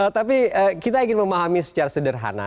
tapi kita ingin memahami secara sederhana